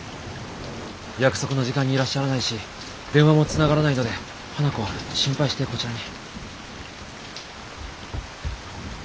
約束の時間にいらっしゃらないし電話もつながらないので花子は心配してこちらに。